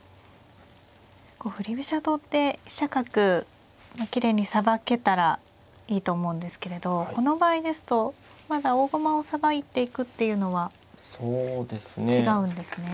振り飛車党って飛車角きれいにさばけたらいいと思うんですけれどこの場合ですとまだ大駒をさばいていくっていうのは違うんですね。